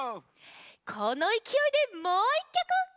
このいきおいでもう１きょく。